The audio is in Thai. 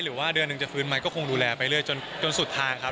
หรือว่าเดือนหนึ่งจะฟื้นไหมก็คงดูแลไปเรื่อยจนสุดทางครับ